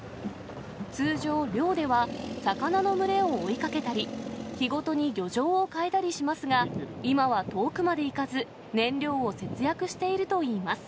通常、漁では魚の群れを追いかけたり、日ごとに漁場を変えたりしますが、今は遠くまで行かず、燃料を節約しているといいます。